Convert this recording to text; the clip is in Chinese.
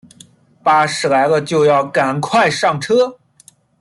巴士来了就赶快上车